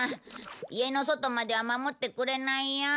家の外までは守ってくれないよ。